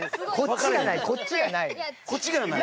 こっちがない？